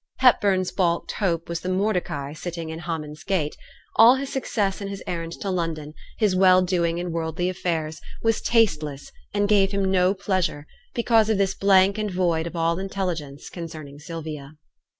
Hepburn's baulked hope was the Mordecai sitting in Haman's gate; all his success in his errand to London, his well doing in worldly affairs, was tasteless, and gave him no pleasure, because of this blank and void of all intelligence concerning Sylvia.